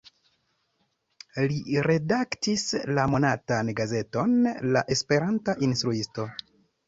Li redaktis la monatan gazeton "La Esperanta Instruisto".